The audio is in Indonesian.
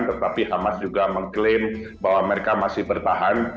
tetapi hamas juga mengklaim bahwa mereka masih bertahan